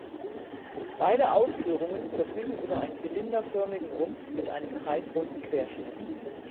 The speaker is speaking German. Beide Ausführungen verfügen über einen zylinderförmigen Rumpf mit einem kreisrunden Querschnitt.